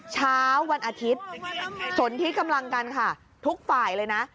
เช้าวันอาทิตย์สนที่กำลังกันค่ะทุกฝ่ายเลยนะ